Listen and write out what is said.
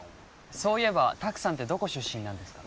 そういえば拓さんってどこ出身なんですか？